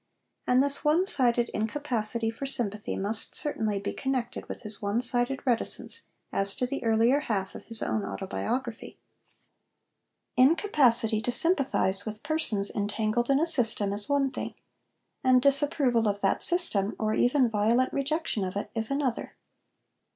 And this one sided incapacity for sympathy must certainly be connected with his one sided reticence as to the earlier half of his own autobiography. Incapacity to sympathise with persons entangled in a system is one thing, and disapproval of that system, or even violent rejection of it, is another.